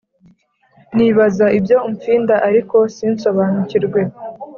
nibaza ibyo umfinda ariko sinsobanukirwe